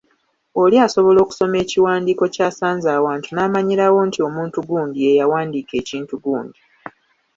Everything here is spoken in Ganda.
Oli asobola okusoma ekiwandiiko ky’asanze awantu n’amanyirawo nti omuntu gundi ye yawandiika ekintu gundi.